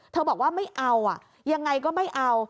บอกว่าไม่เอายังไงก็ไม่เอา